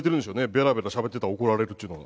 ベラベラしゃべってたら怒られるっちゅうのは。